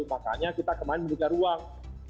makanya kita kemarin membuka ruang